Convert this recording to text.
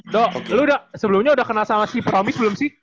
do lo udah sebelumnya udah kenal sama si promis belum sih